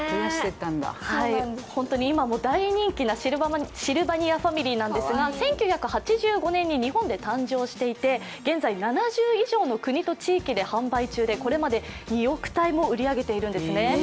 本当に今も大人気なシルバニアファミリーなんですが１９８５年に日本で誕生していて現在７０以上の国と地域で販売中で、これまで、２億体も売り上げているんですね。